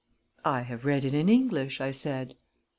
"I have read it in English," I said.